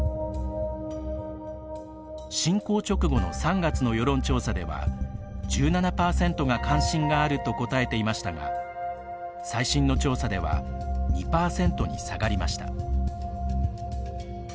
侵攻直後の３月の世論調査では１７％が関心があると答えていましたが最新の調査では２％に下がりました。